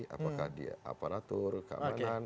apakah di aparatur keamanan